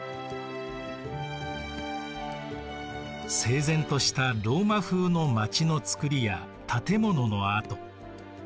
整然としたローマ風の街のつくりや建物の跡。